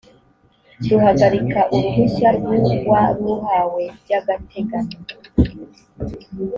ruhagarika uruhushya rw uwaruhawe by agateganyo